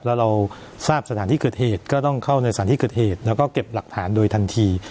แล้วเราทราบสถานที่เกิดเหตุก็ต้องเข้าในสถานที่เกิดเหตุแล้วก็เก็บหลักฐานโดยทันที